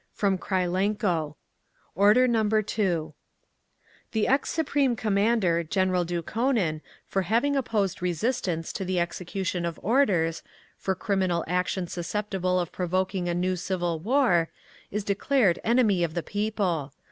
FROM KRYLENKO Order Number Two "… The ex Supreme Commander, General Dukhonin, for having opposed resistance to the execution of orders, for criminal action susceptible of provoking a new civil war, is declared enemy of the People.